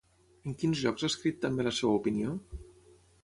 En quins llocs ha escrit també la seva opinió?